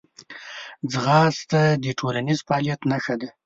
ځغاسته د ټولنیز فعالیت نښه ده